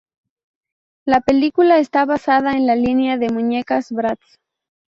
La película está basada en la línea de muñecas Bratz.